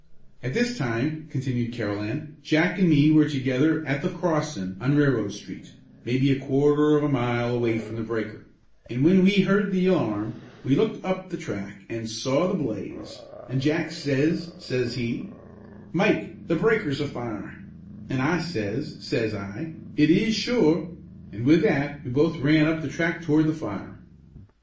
"At this time," continued Carolan, "Jack and me were together at the crossin' on Railroad Street, maybe a quarter of a mile away from the breaker, an' whin we heard the alarm, we looked up the track an' saw the blaze, an' Jack says, says he, 'Mike, the breaker's a fire,' an' I says, says I, 'It is, sure;' an' with that we both ran up the track toward the fire.